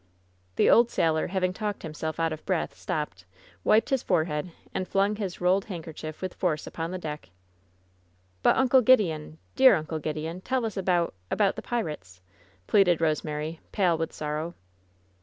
The old sailor having talked himself out of breath, stopped, wiped his forehead, and flung his rolled hand kerchief with force upon the deck. "But, Uncle Gideon — dear Uncle Gideon — tell us about — about the pirates," pleaded Rosemary, pale with sorrow.